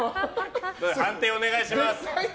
判定、お願いします。